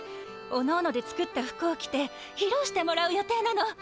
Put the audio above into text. おのおので作った服を着てひろうしてもらう予定なの。